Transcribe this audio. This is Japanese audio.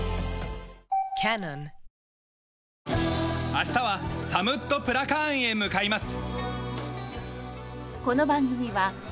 明日はサムットプラカーンへ向かいます。